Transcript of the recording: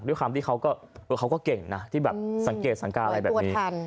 ด้วยความที่เขาก็เขาก็เก่งนะที่แบบสังเกตสังการอะไรแบบนี้โดยตัวทัน